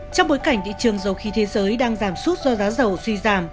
trong bối cảnh thị trường dầu khí thế giới đang giảm sút do giá dầu suy giảm